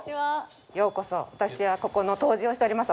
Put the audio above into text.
ようこそ私はここの杜氏をしております